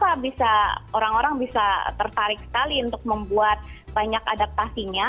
karena orang orang bisa tertarik sekali untuk membuat banyak adaptasinya